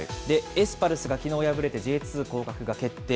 エスパルスがきのう敗れてＪ２降格が決定。